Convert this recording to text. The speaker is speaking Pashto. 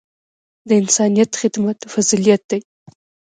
د انسانیت خدمت فضیلت دی.